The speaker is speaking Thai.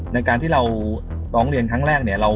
ในการที่เราร้องเรียนทั้งแรก